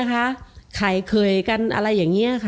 ขายเคยกันอะไรอย่างนี้